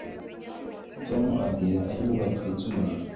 Tom ntabwo ari we watwitse umuriro